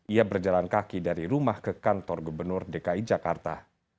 ia berjalan kaki dari rumah ke kantor gubernur dki jakarta